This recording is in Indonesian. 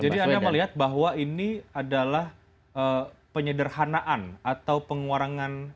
jadi anda melihat bahwa ini adalah penyederhanaan atau penguarangan